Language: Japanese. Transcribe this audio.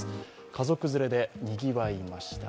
家族連れでにぎわいました。